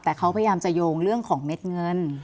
แต่เขาพยายามจะโยงเรื่องของเม็ดเงิน